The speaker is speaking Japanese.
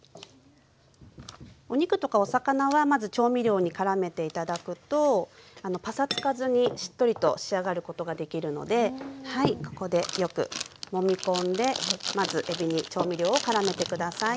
お肉とかお魚はまず調味料にからめて頂くとパサつかずにしっとりと仕上がることができるのでここでよくもみ込んでまずえびに調味料をからめて下さい。